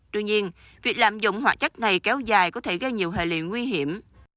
tuy nhiên việc lạm dụng hoạt chất này kéo dài có thể gây nhiều hệ liệu nguy hiểm